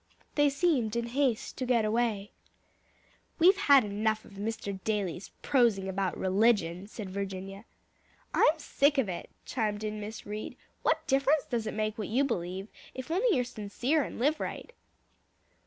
They seemed in haste to get away. "We've had enough of Mr. Daly's prosing about religion," said Virginia. "I'm sick of it," chimed in Miss Reed, "what difference does it make what you believe, if you're only sincere and live right?"